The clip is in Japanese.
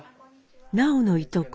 南朋のいとこ